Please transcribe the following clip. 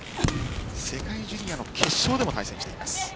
世界ジュニアの決勝でも対戦しています。